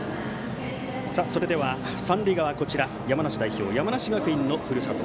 それでは三塁側、山梨代表山梨学院のふるさと